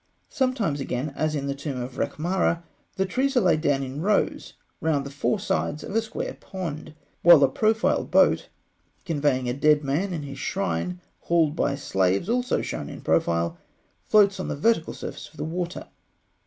Sometimes, again, as in the tomb of Rekhmara, the trees are laid down in rows round the four sides of a square pond, while a profile boat conveying a dead man in his shrine, hauled by slaves also shown in profile, floats on the vertical surface of the water (fig.